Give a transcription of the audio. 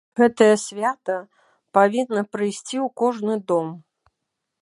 Гэтае свята павінна прыйсці ў кожны дом.